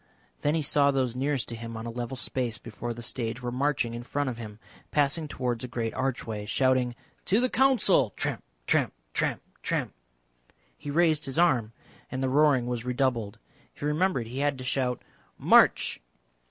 Then he saw those nearest to him on a level space before the stage were marching in front of him, passing towards a great archway, shouting "To the Council!" Tramp, tramp, tramp, tramp. He raised his arm, and the roaring was redoubled. He remembered he had to shout "March!"